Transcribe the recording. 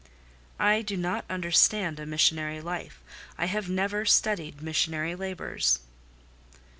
"I do not understand a missionary life: I have never studied missionary labours."